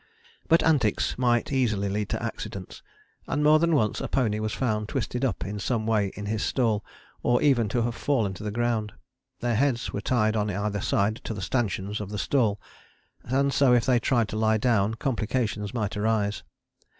But antics might easily lead to accidents, and more than once a pony was found twisted up in some way in his stall, or even to have fallen to the ground. Their heads were tied on either side to the stanchions of the stall, and so if they tried to lie down complications might arise.